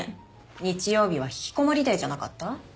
日曜日は引きこもりデーじゃなかった？